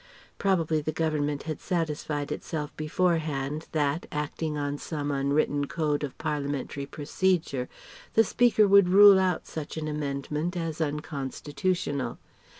[Probably the Government had satisfied itself beforehand that, acting on some unwritten code of Parliamentary procedure, the Speaker would rule out such an amendment as unconstitutional.